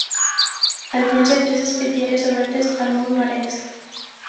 Al fons hi ha tres espitlleres obertes al mur nord-est.